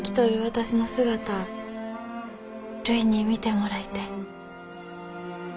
私の姿あるいに見てもらいてえ。